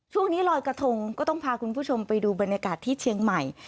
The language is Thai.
ช่วงนี้ลอยกระทงก็ต้องพาคุณผู้ชมไปดูบรรยากาศที่เชียงใหม่